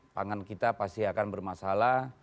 pangan kita pasti akan bermasalah